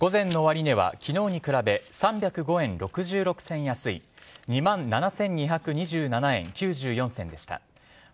午前の終値は昨日に比べ３０５円６６銭安い２万７２２７円９４銭でした。